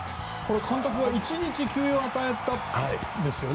監督は、１日休養を与えたんですよね。